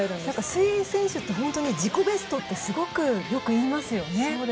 水泳選手って本当に自己ベストってすごくよく言いますよね。